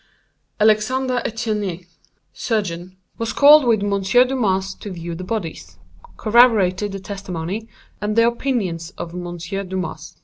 "Alexandre Etienne, surgeon, was called with M. Dumas to view the bodies. Corroborated the testimony, and the opinions of M. Dumas.